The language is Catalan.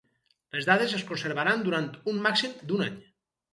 Les dades es conservaran durant un màxim d'un any.